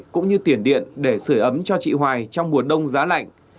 cũng như tiền điện để sửa ấm cho chị hoài trong mùa đông giá lạnh